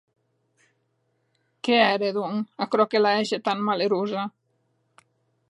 Qué ère, donc, aquerò que la hège tan malerosa?